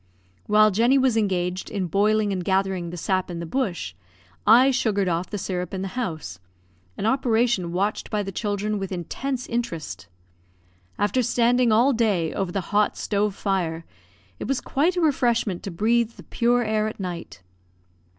While Jenny was engaged in boiling and gathering the sap in the bush, I sugared off the syrup in the house; an operation watched by the children with intense interest. After standing all day over the hot stove fire, it was quite a refreshment to breathe the pure air at night.